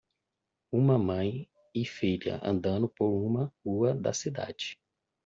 Uma mãe e filha andando por uma rua da cidade.